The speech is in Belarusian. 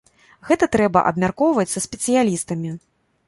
Гэта трэба абмяркоўваць са спецыялістамі.